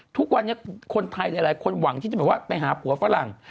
ทุกวันนี้คนไทยหลายคนหวังที่จะแบบว่าไปหาผัวฝรั่ง